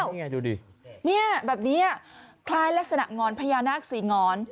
ที่ไงดูดิแบบนี้คล้ายลักษณะงรพยานัก๔งร